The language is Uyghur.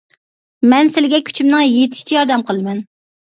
مەن سىلىگە كۈچۈمنىڭ يىتىشىچە ياردەم قىلىمەن.